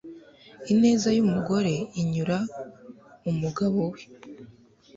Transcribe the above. ineza y'umugore inyura umugabo we